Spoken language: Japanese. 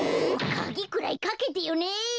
かぎくらいかけてよね！